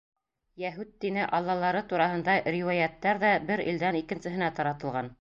Йәһүд дине аллалары тураһында риүәйәттәр ҙә бер илдән икенсеһенә таратылған.